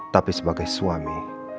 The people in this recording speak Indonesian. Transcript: tapi sebagai suami